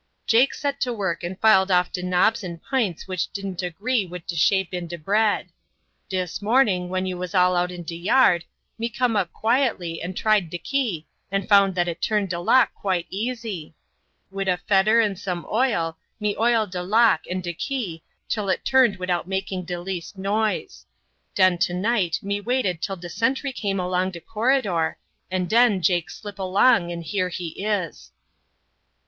Jake set to work and filled off de knobs and p'ints which didn't agree wid de shape in de bread. Dis morning, when you was all out in de yard, me come up quietly and tried de key and found dat it turned de lock quite easy. Wid a fedder and some oil me oil de lock and de key till it turned widout making de least, noise. Den to night me waited till de sentry come along de corridor, and den Jake slip along and here he is."